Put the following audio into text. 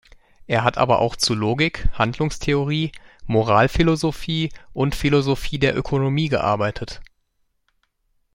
Er hat aber auch zu Logik, Handlungstheorie, Moralphilosophie und Philosophie der Ökonomie gearbeitet.